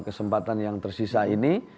kesempatan yang tersisa ini